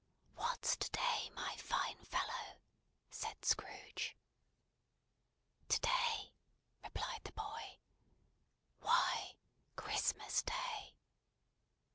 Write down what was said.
"What's to day, my fine fellow?" said Scrooge. "To day!" replied the boy. "Why, CHRISTMAS DAY."